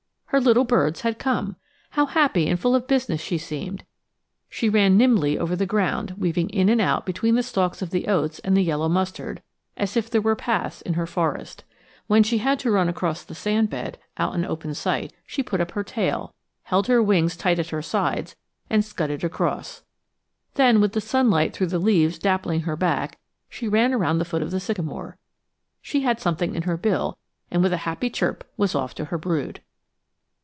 Her little birds had come! How happy and full of business she seemed! She ran nimbly over the ground, weaving in and out between the stalks of the oats and the yellow mustard, as if there were paths in her forest. When she had to run across the sand bed, out in open sight, she put up her tail, held her wings tight at her sides, and scudded across. Then with the sunlight through the leaves dappling her back, she ran around the foot of the sycamore. She had something in her bill, and with a happy chirp was off to her brood.